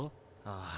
ああ。